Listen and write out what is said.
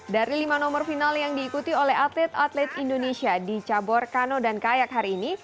dari lima nomor final yang diikuti oleh atlet atlet indonesia di cabur kano dan kayak hari ini